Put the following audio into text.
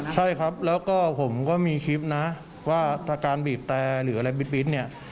ใช่ครับแล้วก็ผมก็มีคลิปนะว่าถ้าการบีบแต่หรืออะไรบิดเนี่ย